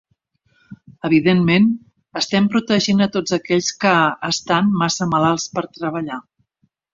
Evidentment, estem protegint a tots aquells que "estan massa malalts per treballar".